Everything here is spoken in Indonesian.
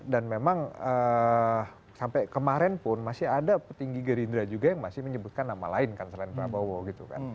dan memang sampai kemarin pun masih ada petinggi gerindra juga yang masih menyebutkan nama lain kan selain prabowo gitu kan